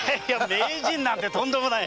名人なんてとんでもない！